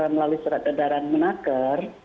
melalui surat adaran menakar